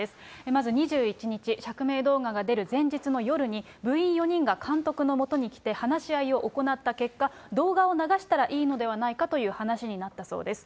まず２１日、釈明動画が出る前日の夜に、部員４人が監督のもとに来て、話し合いを行った結果、動画を流したらいいのではないかという話になったそうです。